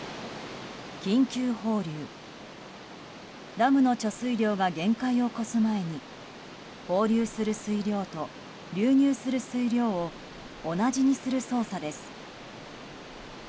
ダムの貯水量が限界を超す前に放流する水量と、流入する水量を同じにする操作です。